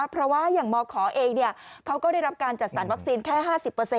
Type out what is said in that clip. เพราะว่าอย่างมขเองเขาก็ได้รับการจัดสรรวัคซีนแค่๕๐